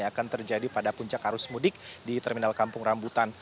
akan terjadi pada puncak arus mudik di terminal kampung rambutan